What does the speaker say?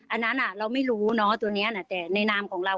อันนั้นเราไม่รู้เนอะตัวนี้แต่ในนามของเรา